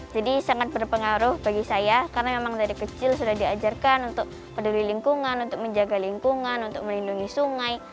jadi sangat berpengaruh bagi saya karena memang dari kecil sudah diajarkan untuk peduli lingkungan untuk menjaga lingkungan untuk melindungi sungai